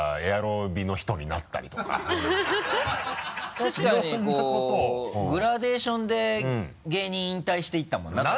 確かにこうグラデーションで芸人引退していったもんな春日。